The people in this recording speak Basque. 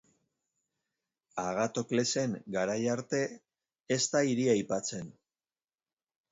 Agatoklesen garaia arte ez da hiria aipatzen.